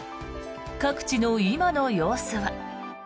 各地の今の様子は。